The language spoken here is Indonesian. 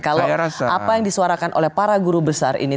kalau apa yang disuarakan oleh para guru besar ini